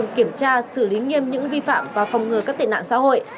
kiểm tra xử lý nghiêm những vi phạm và phòng ngừa các tệ nạn xã hội